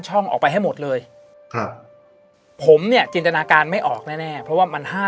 ช่องออกไปให้หมดเลยผมเนี่ยจินจนาการไม่ออกแน่เพราะว่ามัน